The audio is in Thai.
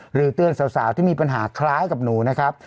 หรือเตือนสาวที่มีปัญหาคล้ายกับหนูนะครับ